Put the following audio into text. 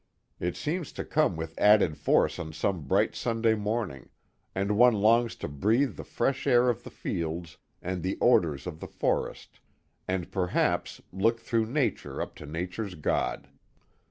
It seems to come with added force on some bright Sunday morning, and one longs to breathe the fresh air of the fields and the odors of the forest, and perhaps " look through nature up to nature's God."